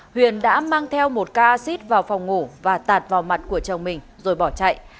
huyền đã mang theo một casid vào phòng ngủ và tạt vào mặt của chồng mình rồi bỏ chạy